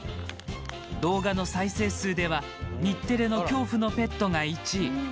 動画の再生数では、日テレの「恐怖のペット」が１位。